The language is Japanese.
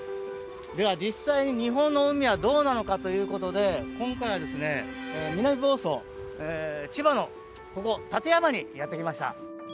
では、実際に日本の海はどうなのかということで今回は南房総千葉の館山にやってきました。